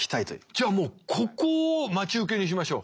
じゃあもうここを待ち受けにしましょう。